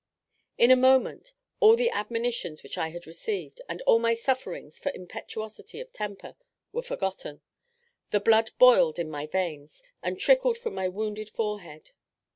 In a moment all the admonitions which I had received, and all my sufferings for impetuosity of temper, were forgotten; the blood boiled in my veins, and trickled from my wounded forehead.